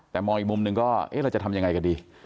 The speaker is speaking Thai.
แต่มองอีกมุมหนึ่งก็เราจะทำอย่างไรก็ดี